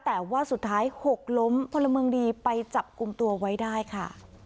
แต่ว่าสุดท้ายหกล้มพลเมืองดีไปจับกลุ่มตัวไว้ได้ค่ะ